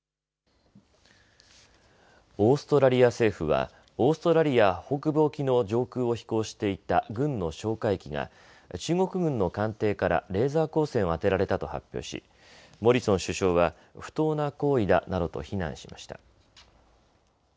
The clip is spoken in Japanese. オーストラリア政府は、オーストラリア北部沖の上空を飛行していた軍の哨戒機が中国軍の艦艇からレーザー光線を当てられたと発表しモリソン首相は不当な行為だなどと非難しました。